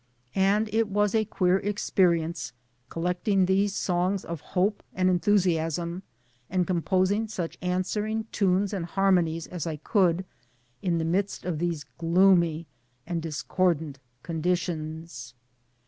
And it was a queer experience, collecting these songs of hope and enthusiasm, and composing such answering tunes and harmonies as I could, in the midst of these gloomy and discordant conditions.